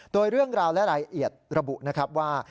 โดยเรื่องราวและรายละเอียดระบุนะครับว่า